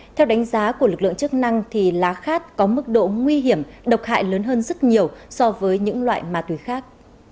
theo đánh giá của lực lượng chức năng thì lá khát có mức độ nguy hiểm độc hại lớn hơn rất nhiều so với những loại ma túy khác